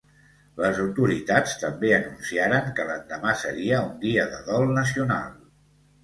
Les autoritats també anunciaren que l'endemà seria un dia de dol nacional.